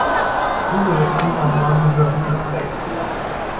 Google erzielt Einnahmen über Google Play.